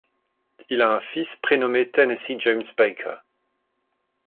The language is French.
Il a un fils prénommé Tennesse James Baker.